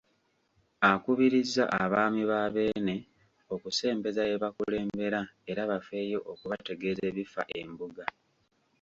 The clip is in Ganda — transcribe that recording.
Akubirizza abaami ba Beene okusembeza be bakulembera era bafeeyo okubategeeza ebifa Embuga.